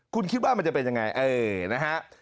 คุณคิดว่ามันจะเป็นยังไงเออนะฮะ